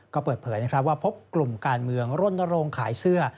ก็เปิดเผยว่าพบกลุ่มการเมืองรนต์โรงขายเสื้อ